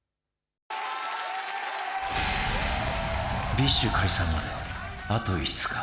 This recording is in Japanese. ＢｉＳＨ解散まであと５日。